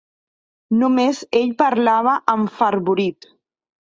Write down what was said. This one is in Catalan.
Només ell parlava enfervorit